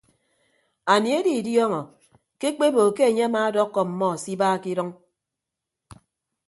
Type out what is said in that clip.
Anie edidiọọñọ ke ekpebo ke enye amaadọkkọ ọmmọ se iba ke idʌñ.